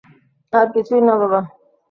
আর কিছুই না বাবা।